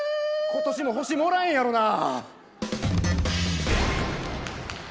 今年も星もらえへんやろな。